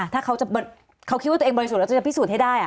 ถ้าเขาคิดว่าตัวเองบริสุทธิ์แล้วจะพิสูจน์ให้ได้